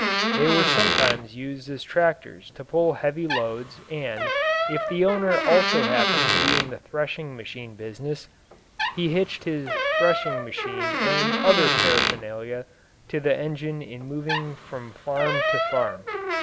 They were sometimes used as tractors to pull heavy loads and, if the owner also happened to be in the threshing machine business, he hitched his threshing machine and other paraphernalia to the engine in moving from farm to farm.